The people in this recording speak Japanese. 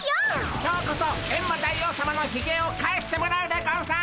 今日こそエンマ大王さまのひげを返してもらうでゴンス！